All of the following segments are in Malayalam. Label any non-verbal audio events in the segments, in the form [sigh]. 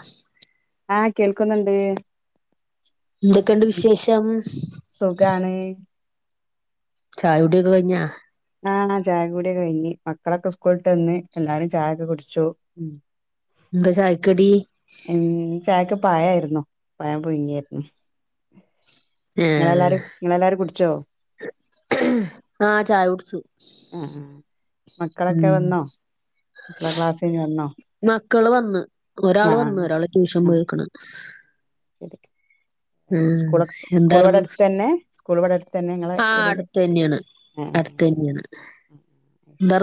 അസ് ആഹ് കേൾക്കുന്നുണ്ട് എന്തൊക്കെയുണ്ട് വിശേഷം സുഖണ ചായ കുടിയൊക്കെ കഴിഞ്ഞാ ആണാ ചായ കൂടി കഴിഞ്ഞ് മക്കളൊക്കെ സ്കൂളിട്ട് വന്ന് എല്ലാരും ചായക്കോ കുടി ച്ചു ഉം ന്തചായക്കടി ഉം ചായക്ക് പയയിരുന്നു പഴം പുഴിങ്ങേർന്നു നിങ്ങളെല്ലാരും നിങ്ങളെല്ലാരും കുടിച്ചോ ആ ചായടിച്ചു ആഹ് ആഹ് ഉ മക്കളൊക്കെ വന്നോ മക്കളെ ക്ലാസ് കഴിഞ്ഞ് വന്നോ മക്കള് വന്ന് ഒരാള് ആഹ് ആഹ് വന്ന് ഒരാള് ട്യൂഷൻ ആഹ് പോയിക്ക്ണ് ശരി ആഹ സ്കൂളൊക്കെ സ്കൂൾ ഇവിടെ എന്തരുന്നു അടുത്ത് തന്നെ സ്കൂൾ ഇവിടെ അടുത്ത് തന്നെ നിങ്ങളെ ആ വീടിന്റെ അടുത്തന്നെണ് ആഹ് അട്ത്തന്നെണ് ആഹ് ശരി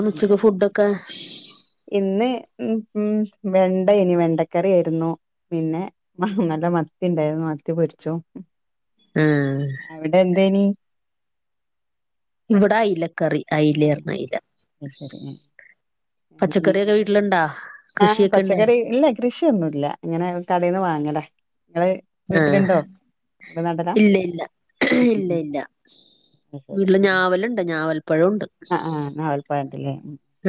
ഇന്ന് ഉ ഉം വെണ്ട ഇനി വെണ്ടക്കറിയെരുന്നു പിന്നെ നല്ല മത്തി ഇണ്ടായിരുന്നു മത്തി പൊരിച്ചോ ആഹ് അവിടെ എന്തനി ഇവിട അയില്ല കറി അയിലർന്നു അയില പച്ചക്കറിയൊക്കെ വീട്ടിലുണ്ടാ ആഹ കൃഷിയൊക്കെ ഇണ്ടാ പച്ചക്കറി ഇല്ല കൃഷിയൊന്നുല്ല ഇങ്ങനെ കടെന്ന് വാങ്ങല ഇങ്ങള് ആഹ് വീട്ടില്ണ്ടോ ഇല്ല ഇല്ല ഇല്ല ഉം ഇല്ല വീട്ടില് ഞാവലുണ്ട് ഞാവൽ ആ ആ നാവൽ പയം ഇണ്ട്ലെ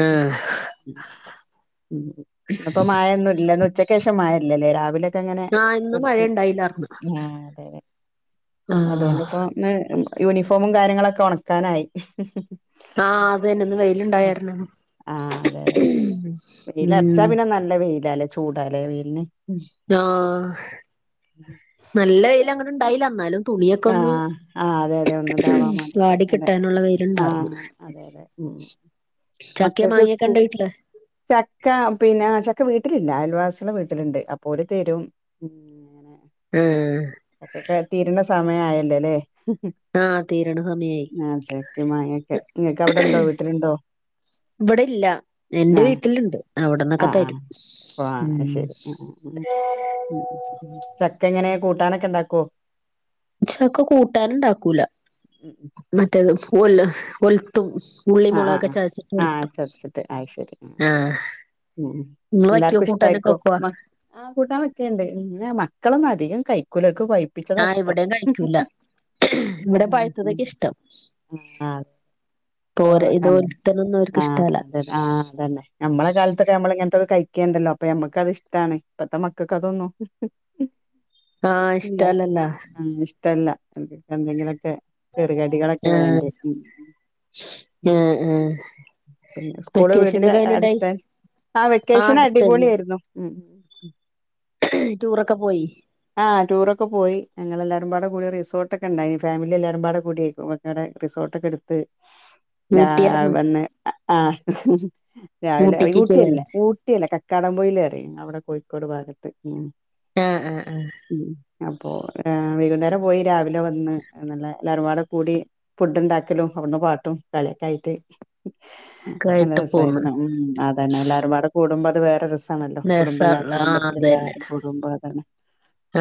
ആഹ് ശരി ഉ ഇപ്പ മായൊന്നുല്ല ഇന്ന് ഉച്ചക്കേഷം മായല്ലല്ലേ രാ തെങ്ങനെ ആഹ് ഇന്ന് മഴ കുറച്ച് ഉണ്ടായില്ലാർന്നു ആ അതെതെ ആഹ് അതൊണ്ട്പ്പോ ഇന്ന് യൂണിഫോമും കാര്യങ്ങളൊക്കെ ഉണക്കാനായി ആഹ അത് തന്നെ ഇന്ന് വെയിലുണ്ടായാര്ന്ന് ആഹ് അതെ അതെ വെയിലറച്ചാ പിന്നെ നല്ല വെയിലാല്ലേ ചൂടാല്ലേ വെയിൽന് ആഹ നല്ല വൈൽ അങ്ങിട്ട് ഇണ്ടായില്ല ഇന്നാലും തുണിയൊക്കെ ഒന്ന് ആഹ് ആഹ് അതെ അതെ ഒന്നുതാവാൻ വേണ്ടിട്ട് വാടി അതെ കിട്ടാനുള്ള വൈൽണ്ടാർന്ന് ആഹ് അതെ അതെ ഉം മക്കൾക്ക് സ്കൂ വീട്ടില് ചക്ക പിന്നെ ചക്ക വീട്ടിലില്ല [inaudible] വീട്ടിലിണ്ട് അപ്പോ ഒൽ ആഹ് തീരുംതൊക്കക്കെ തീരണ്ട സമയ ആയല്ലലെ ആഹ് തീരണ സമയായി ആ ചക്കെ മാങ്ങക്കെ ഇങ്ങക്ക് അവിടെണ്ടോ വീട്ടിലുണ്ടോ ഇവിടെ ഇല്ല എന്റെ ആഹ് വീട്ടിലിണ്ട് അവിട്ന്ന്ക്കെ ആഹ് തരും ആഹ് ഓ ഉ അത് ശരി ആഹ് ആഹ് ചക്ക എങ്ങനെ കൂട്ടാനൊക്കെ ഇണ്ടാക്കോ ചക്ക കൂട്ടാന്ണ്ടാക്കൂല മറ്റേത് ഒല് ഒൽത്തും ഉള്ളി ആഹ് ആഹ് മുളക് ക്കൊ ആഹ് ചതച്ചിട്ട് ആഹ് ഒൽത്തും ആ ഉ ഉം എല്ലാർക്കും ഇഷ്ടായിരിക്കോ മ ആ കൂട്ടാൻവെക്കേണ്ട് മ ക്കളൊന്നും അധികം കൈക്കുല ഓൽക്ക് ആഹ് പൈപ്പിച്ചതാഷ്ട്ടം ഇവിടേം കഴിക്കൂല ഇവിടെ പഴ്ത്ത ത്ക്ക് ഇഷ്ടം ആ തോര തോരനൊന്നും ആ അവർക്ക് ഇഷ്ടല്ല അതെ ആ അതന്നെ നമ്മളെ കാലത്തൊക്കെ നമ്മള ഇങ്ങനത്തെ കഴിക്കേണ്ടല്ലോ അപ്പഴെ മ്മക്ക്ത് ഇഷ്ടാണ് ഇപ്പത്തെ മക്കൾക്ക് അതൊന്നു ആഹ് ഇല്ല ഇഷ്ടല്ലല്ല ആ ഇഷ്ടല്ല എന്തെങ്കിലൊക്കെ ചെറുകടികളൊക്കെ വേണ്ട്യേ ആ ആ പിന്നെ സ്കൂള് വീടിന്റെ അടുത്തെ ആഹ് വെക്കേഷൻ അടിപൊളിയേർന്നു ഉ ഉം ഉ ടൂറൊക്കെ പോയി ആ ടൂർ ഒക്കെ പോയി ഞങ്ങൾ എല്ലാരും പാടെ കൂടി റിസോർട്ട്ക്കെ ഇണ്ടായ്നി ഫാമിലി എല്ലാരും പാടെ കൂടി [unintelligible] റിസോ ട്ടക്കെ എടുത്ത് ആഹ് ഊട്ടിയാർന്ന് വന്ന് ആ രാവിലെ ഊട്ടിക്കൊക്കെ പോയ ഊട്ടിയല്ല ഊട്ടിയല്ല കക്കാടംപൊയില് അറിം ഞങ്ങളിവിടെ കോഴിക്കോട് ഭാഗത്ത് ഉ ആ ആ ഉം അപ്പോ വൈകുന്നേരം പോയി രാവിലെ വന്ന് നല്ല എല്ലാരും തറവാട് കൂടി ഫുഡ് ഉണ്ടാക്കലും അവടെന്ന് പാട്ടും കളിയൊക്കെ ആയിട്ട് നല്ല ഒക്കായിട്ട് പോന്ന് രസായിരുന്നു ഉം അതന്നെ എല്ലാരും പട കൂടുമ്പോൾ അത് വേറെ രസ ആണല്ലോ കുടുംബ എല്ലാ രസള്ള ആഹ് അതന്നെ കുടുംബത്തിലെല്ലാരും കൂടുമ്പ തന്നെ [unintelligible]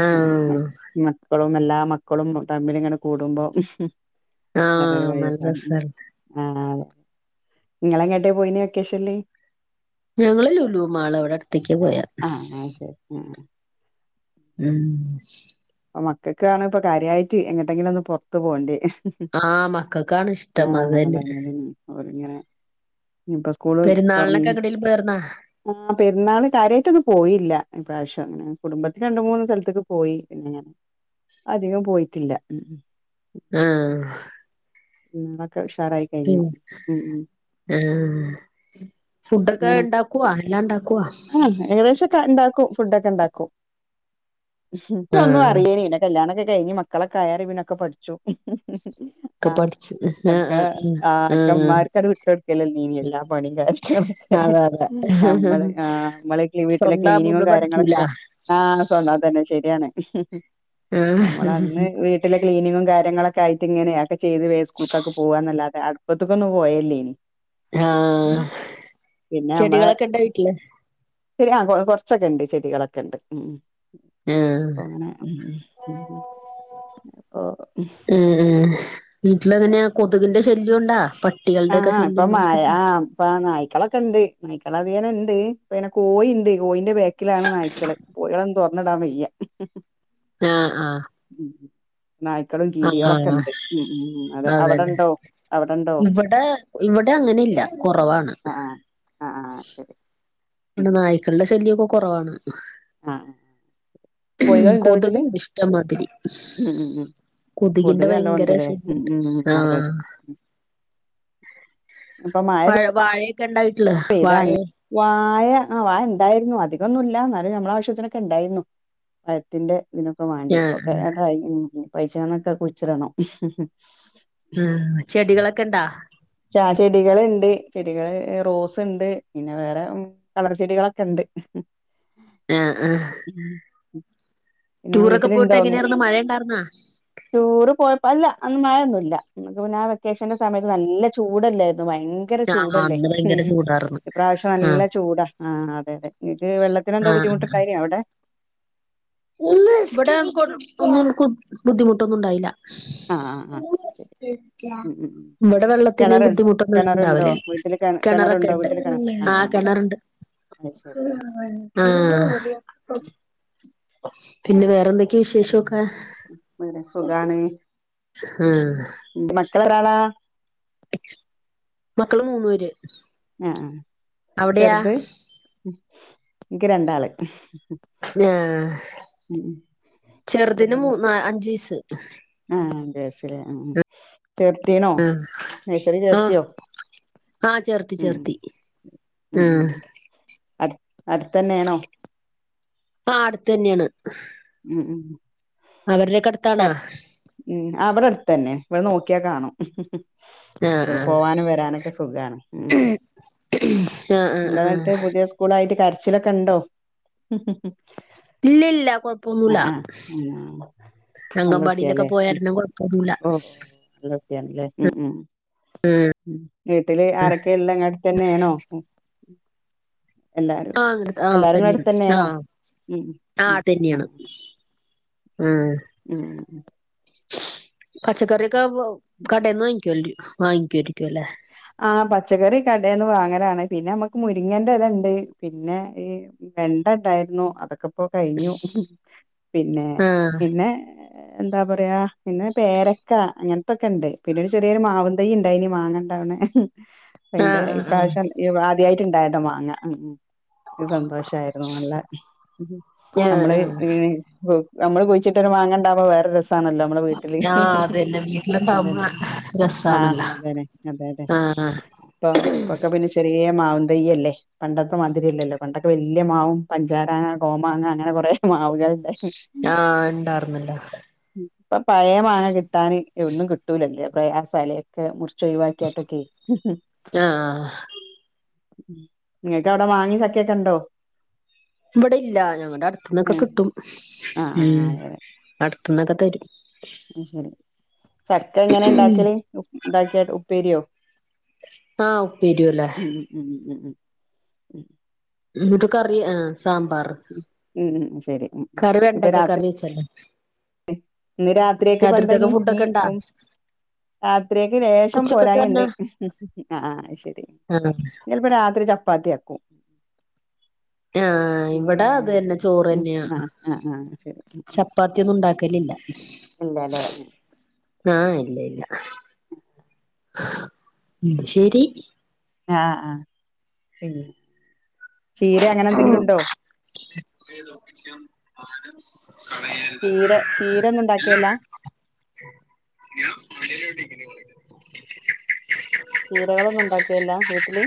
ആഹ് കുടും മക്കളും എല്ലാ മക്കളും തമ്മിൽ ഇങ്ങനെ കൂടുമ്പോ വേറെയൊരു ആഹ് വൈബ് നല്ല ആണ് രസാണ് ആഹ് ഇങ്ങള് എങ്ങാട്ട് പോയീന്ന് വെക്കേഷന്ല് ഞങ്ങള് ലുലു മാള് അവടെ അടുത്തേക്ക പോയെ ആ അത് ശരി ആ ഉം അപ്പൊ മക്കൾക്കാണ് ഇപ്പ കാര്യാട്ട് എങ്ങട്ടെങ്കിലും ഒന്ന് പുറത്ത് പോവണ്ടേ ആഹ് മക്കൾക്കാണ് ഇഷ്ടം ആഹ് അതന്നെ അതന്നെ അവർ ഇങ്ങനെ ഇപ്പ സ്കൂള് തുറന്നു പെരുന്നാളിനൊക്കെ എങ്ങടേലും പോയാർന്നാ ആഹ് പെരുന്നാള് കാര്യയിട്ടൊന്നും പോയില്ല ഇപ്രാവശ്യം അങ്ങനെ കുടുംബത്തില് രണ്ട് മൂന്ന് സ്ഥലത്ത്ക്ക് പോയി പിന്നെ അധികം പോയിട്ടില്ല ഉം ഉം ആഹ് ഉം അന്നൊക്കെ ഉഷാറായി കഴിഞ്ഞു ഉം ഉം ഉം ഫുഡൊക്കെ അങ്ങനെ ഇണ്ടാക്കുവോ എല്ലാം ഇണ്ടാക്കുവോ ക്കെ ഇണ്ടാക്കും ഇക്കൊന്നും ആഹ് അറിയ്ണില്ല കല്യാണക്കെ ക കഴിഞ്ഞ മക്കളൊക്കൊ ആയാരെറിപിന്നൊക്കെ പഠ്ച്ചു. ഒക്കെ ആഹ് പഠിച്ച് ആഹ് ഒക്കെ ആഹ് ഒക്കെമ്മാര്ക്കത് വിട്ടൊട്ക്കലാ [unintelligible] എല്ലാ പണീം കാര്യങ്ങളും. അതെ അതെ നമ്മള് ആഹ് നമ്മളൊക്കെ വീട്ടിലെ സ്വന്താവുമ്പോ ക്ലീനിങ്ങും നമ്മള് പഠിക്കൂല കാര്യങ്ങളൊക്കെ ആഹ് സ്വന്താ അതന്നെ ശരിയാണ് ആഹ് നമ്മളന്ന് വീട്ടിലെ ക്ലീനിങ്ങും കാര്യങ്ങളൊക്കെ ആയിട്ട് ഇങ്ങനെയ ചെയ്ത് വേഗം സ്കൂൾക്കൊക്കെ പോവാന്നല്ലാതെ അട്പ്പത്ത്ക്കൊന്നും പോവേല്ലേനി ആഹ് പിന്നെ നമ്മളെ ചെടികളൊക്കെ ഇണ്ടോ വീട്ടില് [unintelligible] ആ കൊ കൊറച്ചൊക്കെണ്ട് ചെടികളൊക്കെ ഇണ്ട് ഉം ഉം ആഹ് അപ്പൊ അങ്ങനെ ഉം ഉം ഉം ഉം അപ്പൊ ഉം വീട്ടിലങ്ങനെ കൊതുകിന്റെ ശല്യുണ്ടോ പ ആഹ് ഇപ്പൊമായ ആ ഇപ്പ നായ്ക്കളൊ ക്കെണ്ട് നായ്ക്കളെധിക ഇണ്ട് ഇപ്പങ്ങനെ കോയി ഇണ്ട് കോയിന്റെ ബേക്കിലാണ് നായ്ക്കള് കോഴികള തൊറ്ന്ന്ടാ വെയ്യ ങ്ങാ ആഹാ നായ്ക്കളും, കീരികളൊക്കെണ്ട് മ് മ് അതെ അവടെണ്ടോ? അവടെണ്ടോ? എഹ് ഇവ്ടെ അങ്ങനില്ല കൊറവാണ്. ആഹ് ആഹ് ആഹ് ആഹ് ശരി ഉം ഇവടെ നായ്ക്കൾടെ ശല്യക്കെ കൊറവാണ്. ആഹ് കോഴികളുണ്ടോ വീട്ടില് കൊതുക്ണ്ട് ഇഷ്ട്ടംമാതിരി. ‌ ഉം ഉം ഉം കൊതുകിന്റെ കൊതുക് നല്ലോം ഭയങ്കര ഇണ്ട്ല്ലേ ഉം ശല്ല്യെണ്ട് ഉം ഉം അതെ ആഹാ അതെ ഇപ്പൊ മഴ പഴ പെ വാഴയൊക്കെ ഇണ്ടാ വീട്ട്ല് വാഴെ? വാഴ വായ ആ വാഴണ്ടായിരുന്നു അധികൊന്നുല്ല ഇന്നാലും നമ്മളാവശ്യത്തിനൊക്കെണ്ടായിരുന്നു പയത്തിന്റെ. ഇതിനൊക്കെ വാണ്ടി ആഹ് ഇപ്പൊക്കെ അതായി ഇഞ്പ്പൊ അയിശ്ങ്ങന്നൊക്കെ കുയിച്ച്ടണം ഉംഹ് ചെടികളെക്കെണ്ടാ? ആഹാ ചെടികള്ണ്ട് ചെടികള് റോസ് ണ്ട് പിന്നെ വേറെ കളർച്ചെടികളെക്കെണ്ട് ആഹ് ആഹ് ഉം പിന്നെ ടൂറൊക്കെ പോയിട്ട് വീട്ടിലുണ്ടോന്ന് എങ്ങനെയാർന്ന് മഴ ഇണ്ടാർന്നാ ടൂറ് പോയപ്പോ അല്ല അന്നും മയൊന്നുല്ല അന്നക്കെ പിന്നെ ആ വെക്കേഷന്റെ സമയത്ത് നല്ല ചൂടല്ലേരുന്നോ? ഇപ്പം ഭയങ്കര ആഹ് ചൂടല്ലേ? അന്ന് ഭയങ്കര ചൂടാർന്ന് ഇപ്രാവിശ്യം നല്ല ആഹ് ചൂടാ ആഹ് അതെ അതെ. ഇങ്ങക്ക് വെള്ളത്തിനെന്തോ ബുദ്ധിമുട്ട്ണ്ടായിനിയോ അവിടെ? ഇവടെ കൊ ഒന്നും ബുദ്ധിമുട്ടൊന്നുണ്ടായിലാ ആഹ് ആഹ് ആഹ് ശെരി. ഇവടെ വെള്ളത്തിന് ബുദ്ധിമുട്ടൊന്നും കെണറുണ്ടോ ഇണ്ടാവലില്ല വീട്ടില് കെ കെണറുണ്ടോ കെണറൊക്കെണ്ട്. വീട്ടില് കെണ ആ ആ ആഹ് കിണറ്ണ്ട് അത് ശരി ഉം ആഹ് ഉം അത് പിന്നെ ശരി വേറെന്തൊക്കെയ ഉം വിശേഷോക്കെ വേറെ സുഖാണ് ഹാ [unintelligible] ആളാ മക്കള് മൂന്നു പേര് ആ ആ അവിടെയാ ചെറുത് ഇൻക്ക് രണ്ടാള് ആഹ് ഉം ചെറുതിന് മൂ അഞ്ച് വയസ് ആ അഞ്ചയ്‌സ് ലേ ചേർത്തിണോ നെയ് സറി ആഹ് ചേർത്തിയോ ആഹ് ചേർത്തി ഉം ചേർത്തി ആഹ് അടു അടുത്തന്നെണോ ആ അടുത്ത് തന്നെയാണ് ഉം ഉം അവരുടെക്കെ അടുത്താണാ കര്ച് ആ ഇവിടെ അടുത്തന്നെ ഇവിടെ നോ ക്ക്യ കാണും ആഹ് സ്കൂൾ ആഹ് പോവാനും വരാനൊക്കെ സുഖാണ് ആ ആഹ് ആഹ് ഇന്താന്നട്ട് ആഹ് പുതിയ സ്കൂളായിട്ട് കരച്ചിലൊക്കെ ഉണ്ടോ ഇല്ല ഇല്ല ആ കൊഴപ്പൊന്നുല്ല ആഹ് [unintelligible] അംഗൻവാടിയിലൊക്കെ നല്ലുട്ട്യാല്ലേ പോയാരണം കൊഴപ്പൊന്നുല്ല ഓ ഓ നല്ലൊട്ടിയാണ് ലേ ഉ ഉം ആഹ് വീട്ടില് ആരൊക്കെള്ളെ ഇങ്ങളെടുത്തന്നെണോ ആഹ് അങ്ങന ആഹ് ഇങ്ങളെ അവ്ടെതന്നെയാണ് അടുത്തന്നേണോ ഉം ആഹ് ഉം അതെ ന്നെണ് ആഹ് ആഹ് ഉം ഉം പച്ചക്കറിയോക്കെ കടെന്ന് വാങ്ങിക്കുവല്ല വാങ്ങിക്കായിരിക്കുവല്ലേ ആഹ് പച്ചക്കറി കടെന്ന് വാങ്ങലാണ് പിന്നെ നമ്മക്ക് മുരിങ്ങന്റെലണ്ട് പിന്നെ ഈ വെണ്ടണ്ടായിരുന്നു അതൊക്കെ ഇപ്പോ കഴിഞ്ഞു പിന്നെ ആഹ് പിന്നെ എന്താ പറയാ പിന്നെ പേരക്ക അങ്ങനത്തൊക്കെണ്ട് പിന്നെ ഒരു ചെറിയൊരു മാവും തയ്യ് ഉണ്ടായിനി മാങ്ങണ്ടാവണെ അയ്ന്റെ ആഹ് ആഹ് ആഹ് ഈപ്രാവശ്യം ആദ്യായിട്ട് ഇണ്ടായതാ മാങ്ങ [unintelligible] സന്തോഷായിരുന്നു നല്ല ആഹ് നമ്മള് ആഹ് നമ്മള് കുഴിച്ചിട്ടൊരു മാങ്ങണ്ടാവുമ്പോ വേറെ രസ ണല്ലോ നമ്മളെ വീട്ടില് ആഹ് അതന്നെ അതെ വീട്ടിലുണ്ടാവുമ്പോ ആഹ് രസാണല്ലോ അതന്നെ അതെ അതെ ആഹ് ഇപ്പ ഇപ്പൊക്ക പിന്നെ ചെറിയ മാവും വയ്യല്ലേ പണ്ടൊത്തെ മാതിരിയല്ലല്ലോ പണ്ടൊക്കെ വല്യ മാവും പഞ്ചാരാങ്ങ കോമാങ്ങ അങ്ങനെ കുറെ മാവ്കള്ണ്ടായ് നി ആഹ് ഇണ്ടാർന്നല്ലോ ഇപ്പൊ പഴയ മാങ്ങ കിട്ടാന് എവിട്ന്നും കിട്ടൂലല്ലേ പ്രയാസാലെ ഒക്കെ മുറിച്ച് ഒഴിവാക്കിട്ടൊക്കെ ആ നിങ്ങക്ക് അവിടെ മാങ്ങി ചക്കൊക്കെ ഉണ്ടോ ഇവിടെ ഇല്ല ഞങ്ങളുടെ അടുത്തന്നൊക്കെ ഏഹ് കിട്ടും ആഹ് ഉ ആഹ് അടുത്തുന്നൊക്കെ തരും ഉ ശരി ചക്ക എങ്ങനെ ഉണ്ടാക്കല് ഉണ്ടാക്കിയ് ഉപ്പേരിയോ ആഉപീരിപോല്ലേ ഉം ഉം ഉം ഉം ഉം ഉം എന്നിട്ട് കറി ആ സാമ്പാർ ഉം ഉം ഉം ശരി ഉം ഉം. കറി ഇപ്പൊ വെണ്ടക്കെ രാത്രി കറി വെച്ചല്ലേ ഇന്ന് രാത്രിയെക്ക് പ്പന്താ രാത്രിത്തേക്ക് ഇനി നി ഫുഡൊക്കെ ഇണ്ടാ രാത്രിയൊക്ക് രേഷം പോരായിണ്ട് ഉച്ചക്കത്തന്നെ ആ ശരി ഇന്ന് ആഹ് ചെൽപ്പോ രാത്രി ചപ്പാത്തിയാക്കും ആ ഇവിടെ അത് തന്നെ ചോറ് ഉം തന്നെയ ആഹ് ആഹ് ആഹ് ശരി ചപ്പാത്തിയൊന്നും ഉണ്ടാക്ക ലില്ല ഇല്ലല്ലേ ആ ഇല്ല ഇല്ല ഉ ശരി ആ ആ ചെയ ചീര അങ്ങനെ എന്തെങ്കിലും ആഹ് ഉണ്ടോ ചീരെ ചീര ഒന്നും ഉണ്ടാക്കിയല്ലാ ഞാൻ മലട്ട [unintelligible] ചീരകളൊന്നും ഉണ്ടാക്കിയല്ല വീട്ടില്